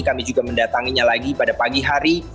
kami juga mendatanginya lagi pada pagi hari